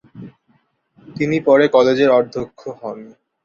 তিনি পরে কলেজের অধ্যক্ষ হন।